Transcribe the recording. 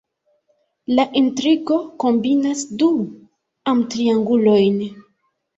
La intrigo kombinas du amtriangulojn.